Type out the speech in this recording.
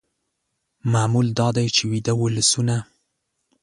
معمول دا دی چې ویده ولسونه